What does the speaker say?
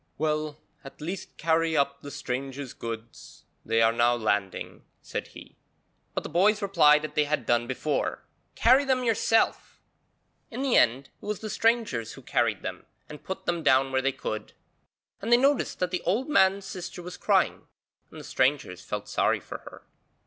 'Well, at least carry up the strangers' goods; they are now landing,' said he, but the boys replied as they had done before, 'Carry them yourself.' In the end, it was the strangers who carried them and put them down where they could; and they noticed that the old man's sister was crying, and the strangers felt sorry for her.